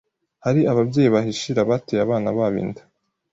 hari ababyeyi bahishira abateye abana babo inda